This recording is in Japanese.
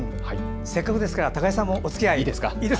せっかくですから高井さんもおつきあい、いいですか。